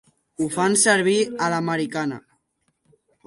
Ho fan servir a l'americana.